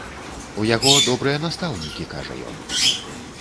У яго добрыя настаўнікі, кажа ён.